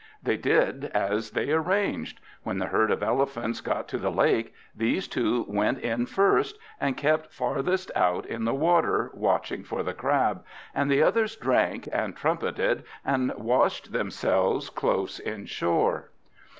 They did as they arranged. When the herd of elephants got to the lake, these two went in first, and kept farthest out in the water, watching for the Crab; and the others drank, and trumpeted, and washed themselves close inshore.